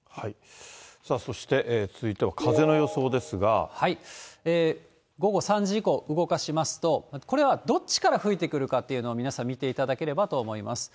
そして、午後３時以降、動かしますと、これはどっちから吹いてくるかっていうのを、皆さん見ていただければと思います。